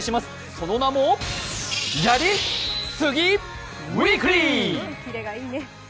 その名も「やり杉！ウィークリー！」。